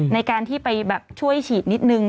ในการที่ไปแบบช่วยฉีดนิดนึง